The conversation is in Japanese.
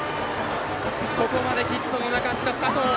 ここまでヒットのなかった佐藤。